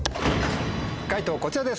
解答こちらです。